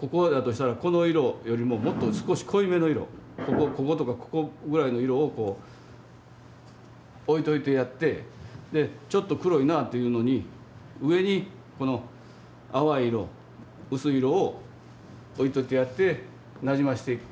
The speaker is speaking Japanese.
ここだとしたらこの色よりももっと少し濃いめの色こことかここぐらいの色をこう置いといてやってちょっと黒いなっていうのに上にこの淡い色薄い色を置いといてやってなじましていく。